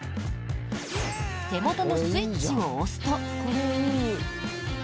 手元のスイッチを押すと。